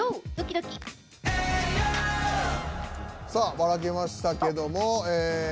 ばらけましたけども。